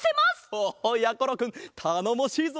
おやころくんたのもしいぞ！